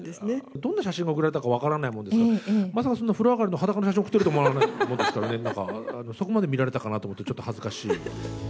どんな写真が送られたか、分からないものですから、まさかそんな風呂上がりの裸の写真を送ってると思わなかったものですからね、なんかそこまで見られたかなと思うとちょっと恥ずかしい。